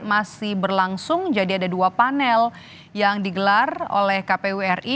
masih berlangsung jadi ada dua panel yang digelar oleh kpu ri